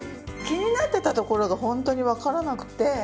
気になってたところがホントにわからなくて。